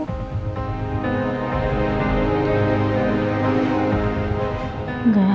tidak ada yang nge review